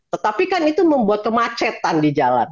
tetapi kan itu membuat kemacetan di jalan